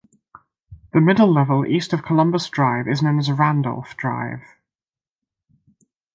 The middle level East of Columbus Drive is known as Randolph Drive.